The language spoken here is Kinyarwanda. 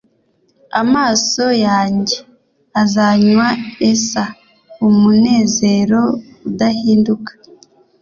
Amaso yanjye azanywa ether umunezero udahinduka